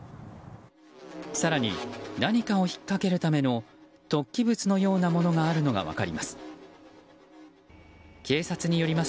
更に、何かをひっかけるための突起物のようなものがあるのが分かります。